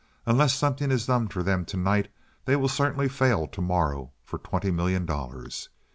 Unless something is done for them tonight they will certainly fail to morrow for twenty million dollars.